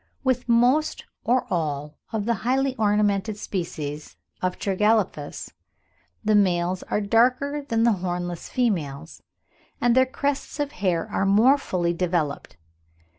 With most or all of the highly ornamented species of Tragelaphus the males are darker than the hornless females, and their crests of hair are more fully developed.